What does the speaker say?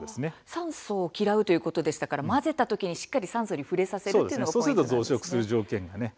酸素を嫌うということですから混ぜた時にしっかり酸素に触れさせるということですね。